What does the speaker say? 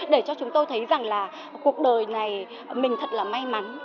để cho chúng tôi thấy rằng là cuộc đời này mình thật là may mắn